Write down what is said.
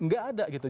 gak ada gitu